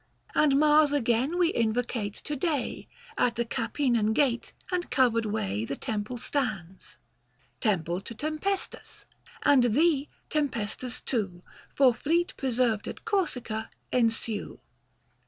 And Mars again we invocate to day : At the Capenan gate and covered way The temple stands. TEMPLE TO TEMPESTAS. And thee, Tempestas, too, For fleet preserved at Corsica, ensue.